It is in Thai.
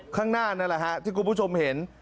ข้างหน้านั่นแหละฮะที่คุณผู้ชมเห็น